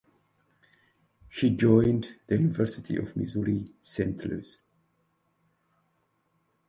She joined the University of Missouri–St.